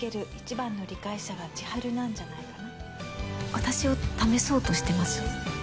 私を試そうとしてます？